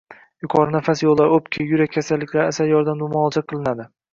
Yuqori nafas yo‘llari, o‘pka, yurak kasalliklari asal yordamida muolaja qilinadi.